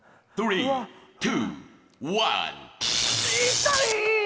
痛い！